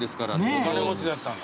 お金持ちだったんだ。